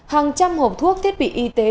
hàng trăm hộp thuốc thiết bị y tế